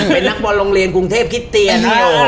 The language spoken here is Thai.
เป็นนักบอลโรงเรียนกรุงเทพฯคิดเตี๋ยน